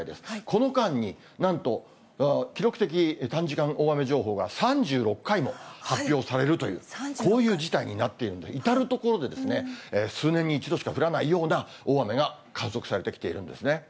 この間に、なんと記録的短時間大雨情報が３６回も発表されるという、こういう事態になっているので、至る所で数年に一度しか降らないような大雨が観測されてきているんですね。